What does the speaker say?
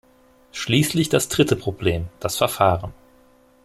Schließlich das dritte Problem, das Verfahren.